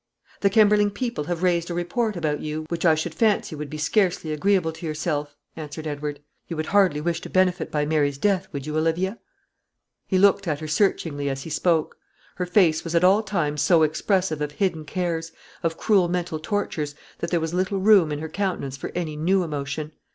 "The Kemberling people have raised a report about you which I should fancy would be scarcely agreeable to yourself," answered Edward. "You would hardly wish to benefit by Mary's death, would you, Olivia?" He looked at her searchingly as he spoke. Her face was at all times so expressive of hidden cares, of cruel mental tortures, that there was little room in her countenance for any new emotion.